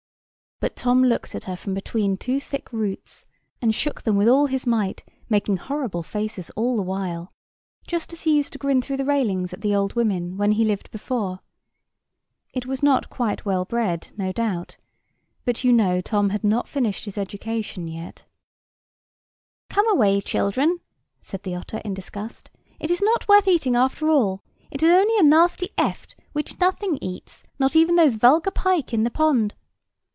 But Tom looked at her from between two thick roots, and shook them with all his might, making horrible faces all the while, just as he used to grin through the railings at the old women, when he lived before. It was not quite well bred, no doubt; but you know, Tom had not finished his education yet. [Picture: The otter] "Come, away, children," said the otter in disgust, "it is not worth eating, after all. It is only a nasty eft, which nothing eats, not even those vulgar pike in the pond."